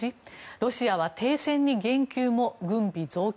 ロシアは停戦に言及も軍備増強。